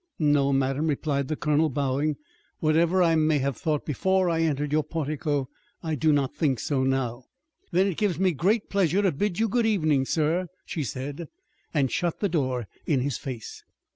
"No, Madame," replied the Colonel bowing, "whatever I may have thought before I entered your portico I do not think so now." "Then it gives me pleasure to bid you good evening, sir," she said, and shut the door in his face.